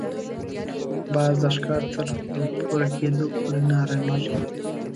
باز د ښکار تر پوره کېدو پورې نه اراميږي